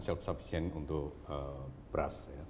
beras yang beras